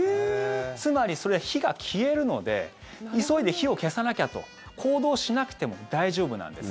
つまり、それは火が消えるので急いで火を消さなきゃと行動しなくても大丈夫なんです。